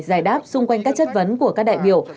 giải đáp xung quanh các chất vấn của các đại biểu